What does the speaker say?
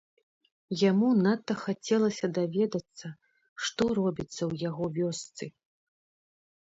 Яму надта хацелася даведацца, што робіцца ў яго вёсцы.